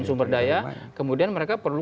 sumber daya kemudian mereka perlu